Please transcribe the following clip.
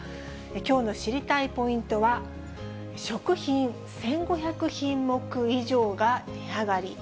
きょうの知りたいポイントは、食品１５００品目以上が値上がり。